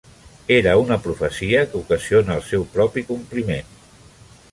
Era una profecia que ocasiona el seu propi compliment.